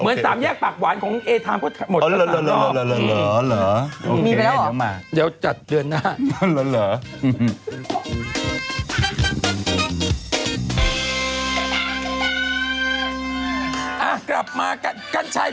เหมือนสามแยกปากหวานของเอเทิมก็หมดอ๋อล๋อล๋อแล้วหมาเดี๋ยวจัดเดือนหน้า